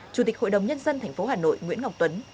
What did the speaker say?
chủ tịch hội đồng nhân dân tp hà nội nguyễn ngọc tuấn